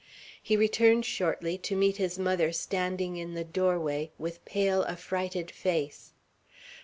He returned shortly, to meet his mother standing in the doorway, with pale, affrighted face.